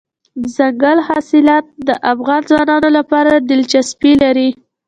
دځنګل حاصلات د افغان ځوانانو لپاره دلچسپي لري.